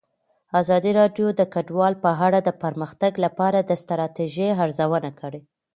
ازادي راډیو د کډوال په اړه د پرمختګ لپاره د ستراتیژۍ ارزونه کړې.